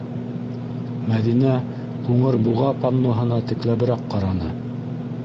Мәҙинә «Ҡуңыр буға» панноһына текләберәк ҡараны: